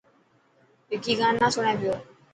وڪي گانا سوڻي پيو.